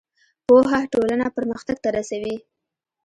پوهه ټولنه پرمختګ ته رسوي.